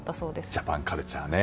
ジャパンカルチャーね。